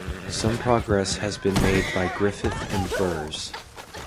Some progress has been made by Griffith and Bers.